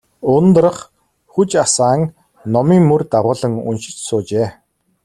Ундрах хүж асаан, номын мөр дагуулан уншиж суужээ.